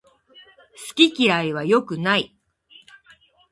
好き嫌いは良くない